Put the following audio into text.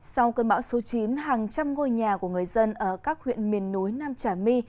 sau cơn bão số chín hàng trăm ngôi nhà của người dân ở các huyện miền núi nam trà my